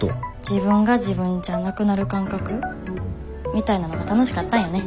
自分が自分じゃなくなる感覚？みたいなのが楽しかったんよね。